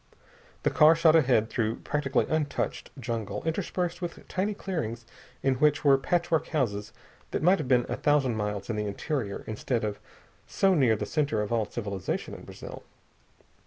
The car shot ahead through practically untouched jungle, interspersed with tiny clearings in which were patchwork houses that might have been a thousand miles in the interior instead of so near the center of all civilization in Brazil.